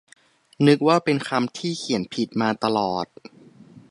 นึกว่าเป็นคำที่เขียนผิดมาตลอด